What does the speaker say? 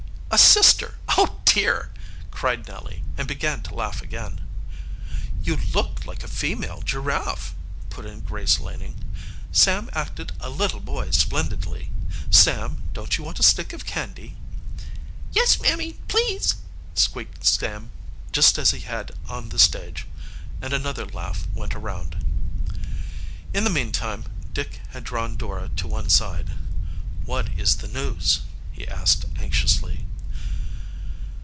"A sister! Oh, dear!" cried Nellie, and began to laugh again. "You looked like a female giraffe!" put in Grace Laning. "Sam acted a little boy splendidly. Sam, don't you want a stick of candy?" "Yes, mammy, please," squeaked Sam, just as he had on the stage, and another laugh went around. In the meantime Dick had drawn Dora to one side. "What is the news?" he asked anxiously.